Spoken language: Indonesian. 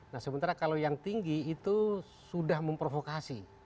nah sementara kalau yang tinggi itu sudah memprovokasi